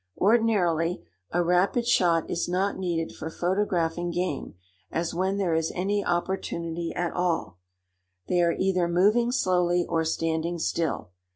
Ordinarily, a rapid shot is not needed for photographing game, as when there is any opportunity at all, they are either moving slowly or standing still.